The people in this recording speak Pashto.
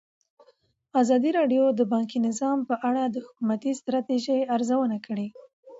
ازادي راډیو د بانکي نظام په اړه د حکومتي ستراتیژۍ ارزونه کړې.